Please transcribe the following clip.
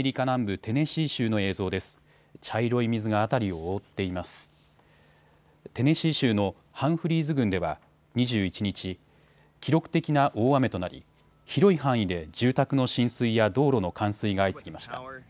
テネシー州のハンフリーズ郡では２１日、記録的な大雨となり広い範囲で住宅の浸水や道路の冠水が相次ぎました。